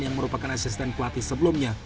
yang merupakan asisten pelatih sebelumnya